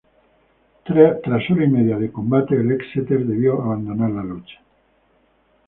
Tras hora y media de combate, el Exeter debió abandonar la lucha.